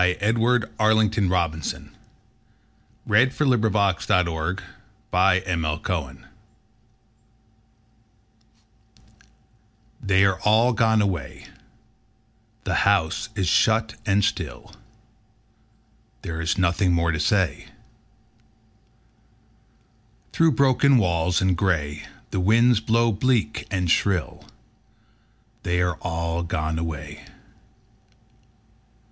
Edwin Arlington Robinson The House on the Hill THEY are all gone away, The house is shut and still, There is nothing more to say. Through broken walls and gray The winds blow bleak and shrill: They are all gone away.